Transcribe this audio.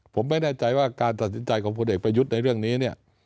ผมไม่แน่ใจว่าการสัดสินใจของผู้เด็กประยุทธ์ในเรื่องนี้